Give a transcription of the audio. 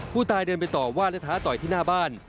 ผู้ตายเดินไปต่อว่าและท้าต่อยที่หน้าบ้าน